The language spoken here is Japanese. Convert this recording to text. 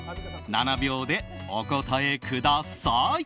７秒でお答えください。